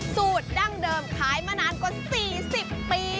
ดั้งเดิมขายมานานกว่า๔๐ปี